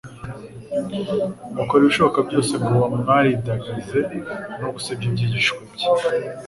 bakora ibishoboka byose ngo bamwaridagaze no gusebya ibyigisho bye.